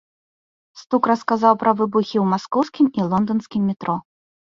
Стук расказаў пра выбухі ў маскоўскім і лонданскім метро.